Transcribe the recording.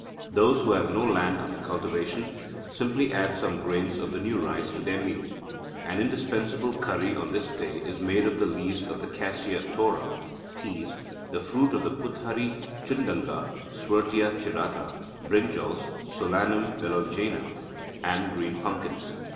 Those who have no land under cultivation simply add some grains of the new rice to their meal. An indispensable curry on this day is made of the leaves of Cassia Tora, peas, the fruit of puthari chundanga (Swertia Chirata), brinjals (Solanum Melongena), and green pumpkins.